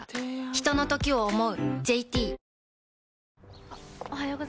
ひとのときを、想う。